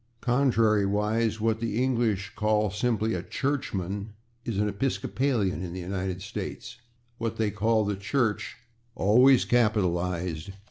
Contrariwise, what the English call simply a /churchman/ is an /Episcopalian/ in the United States, what they call the /Church/ (always capitalized!)